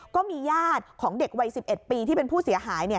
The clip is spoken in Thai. ก็มีญาติของเด็กวัย๑๑ปีที่เป็นผู้เสียหาย